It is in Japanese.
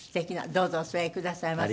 どうぞお座りくださいませ。